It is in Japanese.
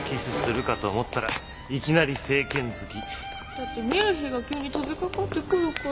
だってミルヒーが急に飛びかかってくるから。